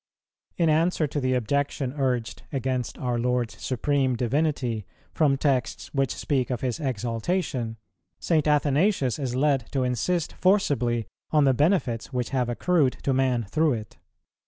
In answer to the objection urged against our Lord's supreme Divinity from texts which speak of His exaltation, St. Athanasius is led to insist forcibly on the benefits which have accrued to man through it.